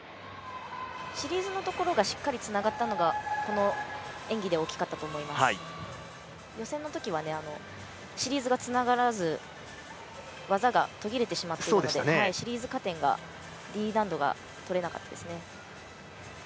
シリーズのところがしっかりとつながったのが、この演技で大きかったと思います予選のときはシリーズがつながらず技がとぎれてしまっていたのでシリーズ加点がＤ難度が取れなかったですね。